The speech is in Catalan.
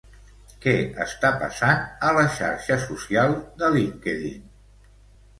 Què està passant a la xarxa social de LinkedIn?